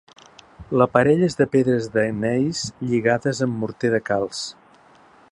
L'aparell és de pedres de gneis lligades amb morter de calç.